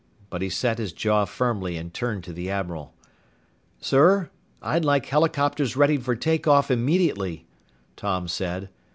But he set his jaw firmly and turned to the admiral. "Sir, I'd like helicopters readied for take off immediately," Tom said.